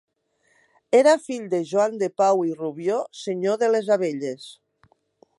Era fill de Joan de Pau i Rubió, senyor de les Abelles.